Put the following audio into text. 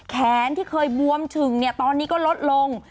แขนที่เคยบวมฉึ่งตอนนี้ก็ลดลง